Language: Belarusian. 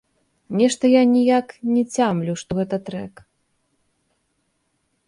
Нешта я ніяк не цямлю, што гэта трэк.